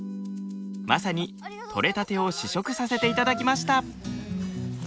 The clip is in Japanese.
まさに取れたてを試食させていただきました。